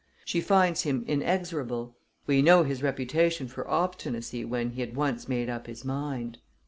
She finds him inexorable we know his reputation for obstinacy when he had once made up his mind.